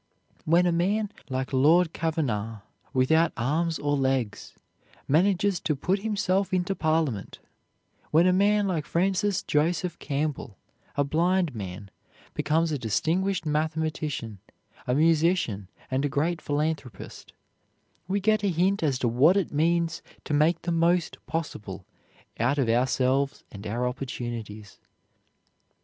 When a man like Lord Cavanagh, without arms or legs, manages to put himself into Parliament, when a man like Francis Joseph Campbell, a blind man, becomes a distinguished mathematician, a musician, and a great philanthropist, we get a hint as to what it means to make the most possible out of ourselves and our opportunities.